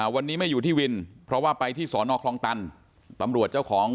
วันนี้ไม่อยู่ที่วินเพราะว่าไปที่สอนอคลองตันตำรวจเจ้าของ